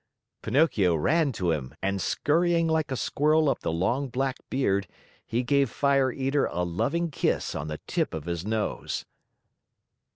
Pinocchio ran to him and scurrying like a squirrel up the long black beard, he gave Fire Eater a loving kiss on the tip of his nose.